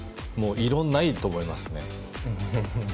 異論ないと思いますね。